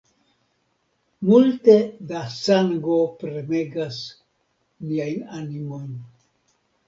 Multe da sango premegas niajn animojn.